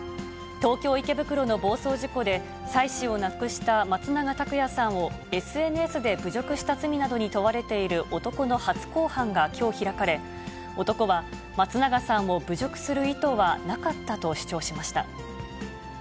東京・池袋の暴走事故で、妻子を亡くした松永拓也さんをＳＮＳで侮辱した罪などに問われている男の初公判がきょう開かれ、男は、松永さんを侮辱する意図はなかったと主張しました。